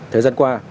thời gian qua